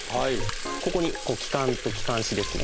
ここに気管と気管支ですね。